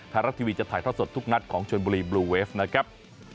ไทยรัฐทีวีจะถ่ายทอดสดทุกนัดของชนบุรีบลูเวฟนะครับ